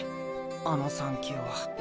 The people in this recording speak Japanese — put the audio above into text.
あの３球は。